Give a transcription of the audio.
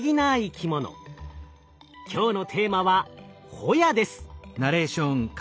今日のテーマはホヤです。